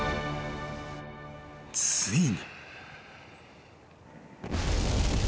［ついに］